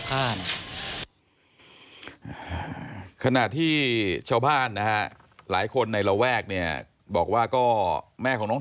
ขณะที่ชาวบ้านนะฮะหลายคนในระแวกเนี่ยบอกว่าก็แม่ของน้อง